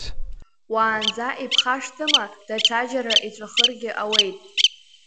Уаанӡа иԥшаахымҭа даҽаџьара иҵәахыргьы ауеит.